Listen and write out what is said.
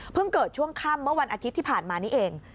เกิดช่วงค่ำเมื่อวันอาทิตย์ที่ผ่านมานี้เอง